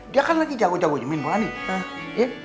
dia kan lagi jauh jauhnya main bola nih